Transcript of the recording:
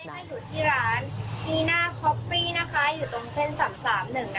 และอย่างหนึ่งนะคะ